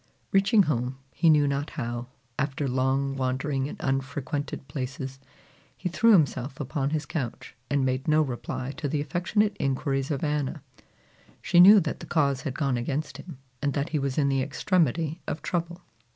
Reaching home, he knew not how, after long wandering in unfrequented places, he threw himself upon his couch, and made no reply to the affectionate inquiries of Anna. She knew that the cause had gone against him, and that he was in the extremity of trouble.